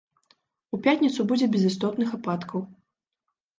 У пятніцу будзе без істотных ападкаў.